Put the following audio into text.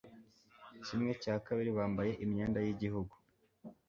Kimwe cya kabiri bambaye imyenda yigihugu